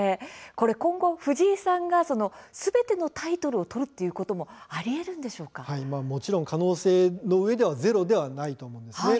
今後、藤井さんが、すべてのタイトルを取るということももちろん可能性のうえではゼロではないと思います。